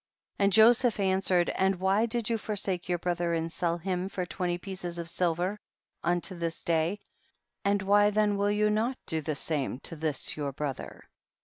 19. And Joseph answered, and why did you forsake your brother and sell* him for twenty pieces of silver unto this day, and why then will you not do the same to this your brother